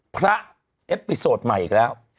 พระเอฟปิโสดใหม่อีกแล้ว